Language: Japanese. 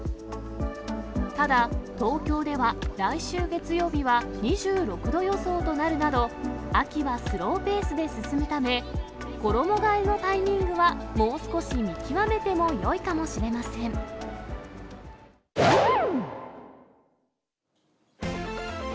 ただ、東京では来週月曜日は２６度予想となるなど、秋はスローペースで進むため、衣がえのタイミングは、それ無糖の新しいやつにしてみたハァー！